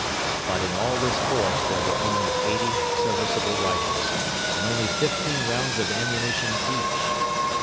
But in all this force there were only eighty serviceable rifles, and only fifteen rounds of ammunition each.